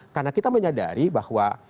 karena kita menyadari bahwa